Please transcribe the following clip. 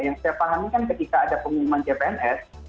yang saya pahami kan ketika ada pengumuman cpns